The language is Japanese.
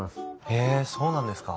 へえそうなんですか。